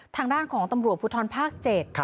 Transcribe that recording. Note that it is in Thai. ทางด้านของตำรวจภูทรภาค๗